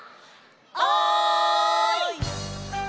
「おい！」。